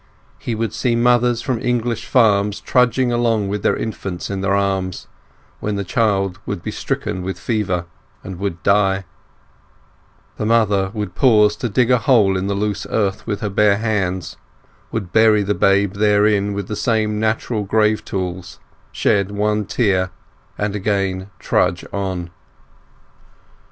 He would see mothers from English farms trudging along with their infants in their arms, when the child would be stricken with fever and would die; the mother would pause to dig a hole in the loose earth with her bare hands, would bury the babe therein with the same natural grave tools, shed one tear, and again trudge on.